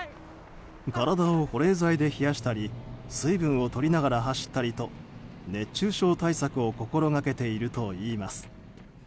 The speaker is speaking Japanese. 体を保冷剤で冷やしたり水分を取りながら走ったりと熱中症対策を心掛けているといいます。